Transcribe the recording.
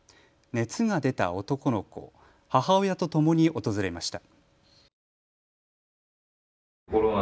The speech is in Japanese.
熱が出た男の子、母親とともに訪れました。